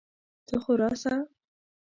ته خو راسه!